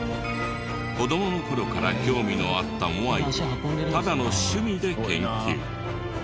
子どもの頃から興味のあったモアイをただの趣味で研究。